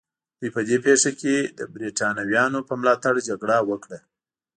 دوی په دې پېښه کې د برېټانویانو په ملاتړ جګړه وکړه.